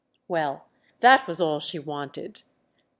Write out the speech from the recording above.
Well, that was all she wanted.